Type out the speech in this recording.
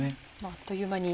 あっという間に。